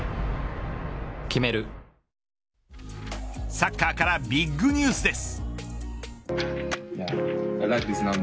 サッカーからビッグニュースです。